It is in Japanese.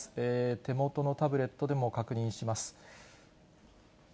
手元のタブレットでも確認します。